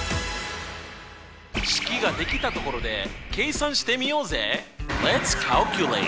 式ができたところで計算してみようぜ！